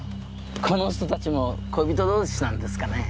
この人たちも恋人同士なんですかね？